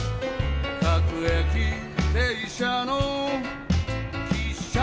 「各駅停車の汽車は今」